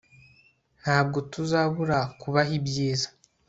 ntabwo tuzabura kubaha ibyiza